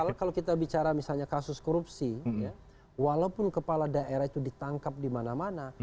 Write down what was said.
karena kalau kita bicara misalnya kasus korupsi walaupun kepala daerah itu ditangkap di mana mana